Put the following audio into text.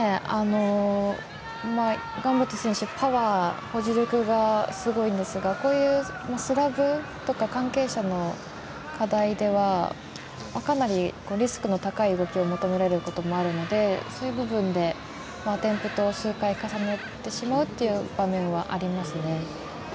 ガンブレット選手保持力がすごいんですがこういうスラブとか緩傾斜の課題ではかなり、リスクの高い動きを求められることがあるのでそういう部分でアテンプト数回重ねてしまうっていう場面はありますね。